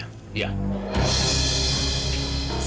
sama putri saya ya